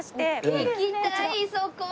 行きたいそこ！